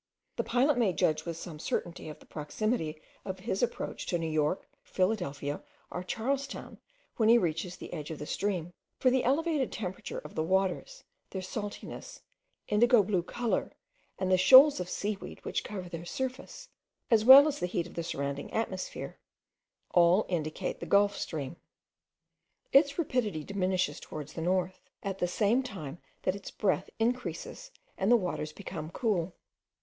The pilot may judge, with some certainty, of the proximity of his approach to New York, Philadelphia, or Charlestown when he reaches the edge of the stream; for the elevated temperature of the waters, their saltness, indigo blue colour, and the shoals of seaweed which cover their surface, as well as the heat of the surrounding atmosphere, all indicate the Gulf stream. Its rapidity diminishes towards the north, at the same time that its breadth increases and the waters become cool.